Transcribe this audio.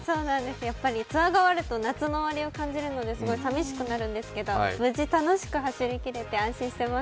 ツアーが終わると夏の終わりを感じるのですごい寂しくなるんですけど、無事楽しく走りきってほっとしています。